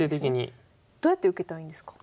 どうやって受けたらいいんですかこれ。